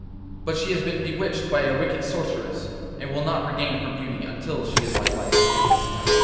'But she has been bewitched by a wicked sorceress, and will not regain her beauty until she is my wife.